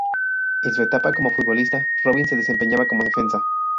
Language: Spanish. En su etapa como futbolista, Robin se desempeñaba como defensa.